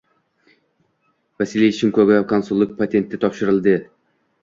Vasiliy Shimkoga konsullik patenti topshirilding